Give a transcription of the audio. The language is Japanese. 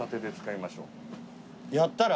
やったら？